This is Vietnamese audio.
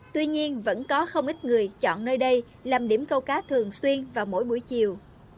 tuy nhiên vẫn có không ít người chọn nơi đây làm điểm câu cá thường xuyên vào mỗi buổi chiều